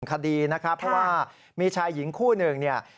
คดีนะครับเพราะว่ามีชายหญิงคู่หนึ่งเนี่ย